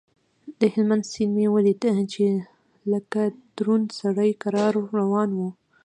د هلمند سيند مې وليد چې لکه دروند سړى کرار روان و.